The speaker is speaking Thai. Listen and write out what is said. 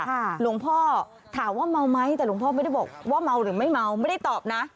หลวงพ่อถามว่าเมาไหมแต่หลวงพ่อไม่ได้บอกว่าเมาหรือไม่เมาไม่ได้ตอบนะ